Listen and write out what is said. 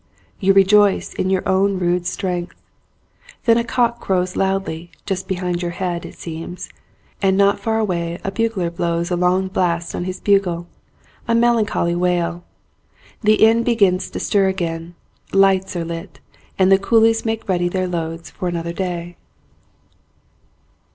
You rejoice in your own rude strength. Then a cock crows loudly, just behind your head, it seems; and not far away a bugler blows a long blast on his bugle, a melancholy wail; the inn begins to stir again; lights are lit, and the coolies make ready their loads for another day.